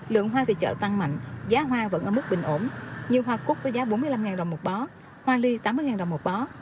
lượng hoa tại chợ tăng mạnh giá hoa vẫn ở mức bình ổn như hoa cúc có giá bốn mươi năm đồng một bó hoa ly tám mươi đồng một bó